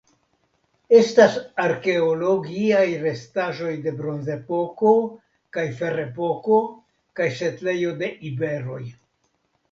Estas arkeologiaj restaĵoj de Bronzepoko kaj Ferepoko kaj setlejo de iberoj.